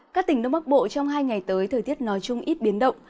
các tỉnh đông bắc bộ trong hai ngày tới thời tiết nói chung ít biến động